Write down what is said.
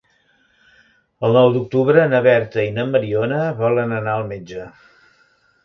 El nou d'octubre na Berta i na Mariona volen anar al metge.